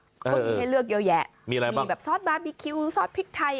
ก็มีให้เลือกเยอะแยะมีอะไรบ้างมีแบบซอสบาร์บีคิวซอสพริกไทย